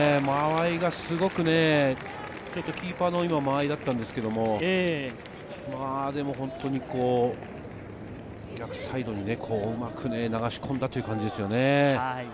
間合いがすごく、キーパーの間合いだったんですけど、本当に逆サイドにうまく流し込んだという感じですね。